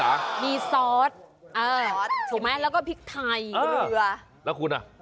มันจะมีใส่อะไรนะคุณพี่สา